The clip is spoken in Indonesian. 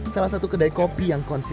salah satu kedai kopi yang konsisten